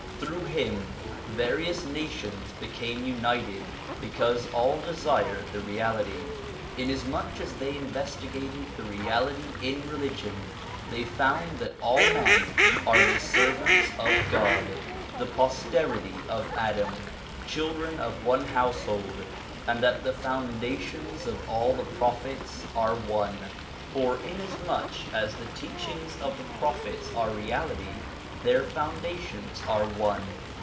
Through him various nations became united because all desired the reality. Inasmuch as they investigated the reality in religion, they found that all men are the servants of God, the posterity of Adam, children of one household and that the foundations of all the prophets are one. For inasmuch as the teachings of the prophets are reality their foundations are one.